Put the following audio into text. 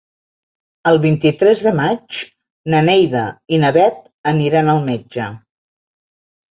El vint-i-tres de maig na Neida i na Bet aniran al metge.